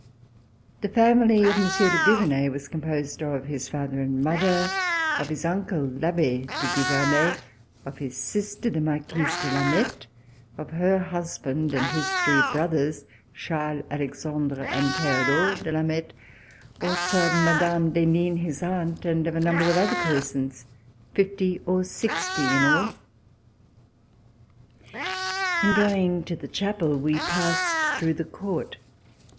The family of Monsieur de Gouvernet was com posed of his father and mother; of his uncle, I'Abbe de Gouvernet; of his sister, the Marquise de Lameth; of her husband and his three brothers, Charles, Alexandre and Theodore de Lameth; also of Mme. d'Henin, his aunt, and of a number of other persons — fifty or sixty in all. In going to the chapel, we passed through the court.